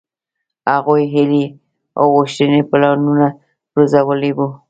هغوۍ هيلې او غوښتنې او پلانونه روزلي وو.